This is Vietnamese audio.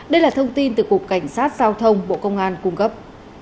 đây là thông tin từ cục cảnh sát giao thông bộ công an cung cấp